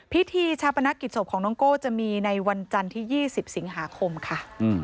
พิธีชาปนกิจศพของน้องโก้จะมีในวันจันทร์ที่๒๐สิงหาคมค่ะ